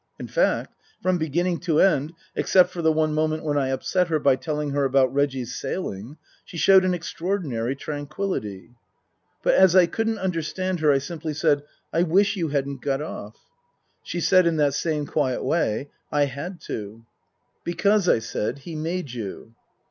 In fact, from beginning to end, except for the one moment when I upset her by telling her about Reggie's sailing, she showed an extraordinary tranquillity. But as I couldn't understand her I simply said, " I wish you hadn't got off." She said in that same quiet way, " I had to." " Because," I said, " he made you."